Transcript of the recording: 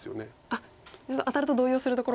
あっ当たると動揺するところは。